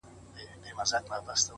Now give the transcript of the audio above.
هره بریا د نظم نښه لري؛